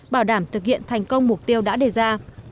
bảo đảm thực hiện thành công mục tiêu đã đề ra